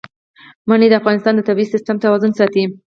منی د افغانستان د طبعي سیسټم توازن ساتي.